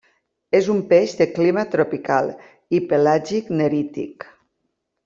És un peix de clima tropical i pelàgic-nerític.